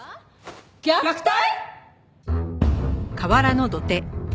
虐待！？